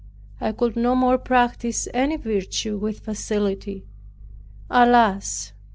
I could no more practice any virtue with facility. "Alas!"